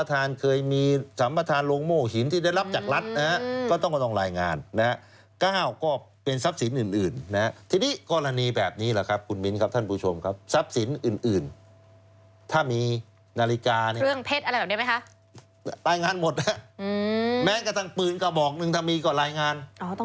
ถ้ามีนาฬิการายงานหมดแม้กระดับปืนกระบอกหนึ่งถ้ามีก็รายงาน